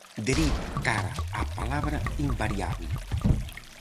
Deriva cara á palabra invariable.